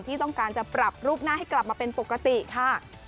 ที่ต้องการจะปรับรูปหน้าให้กลับมาเป็นปกติค่ะ